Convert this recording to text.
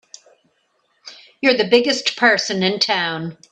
You're the biggest person in town!